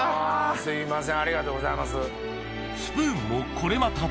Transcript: すいません！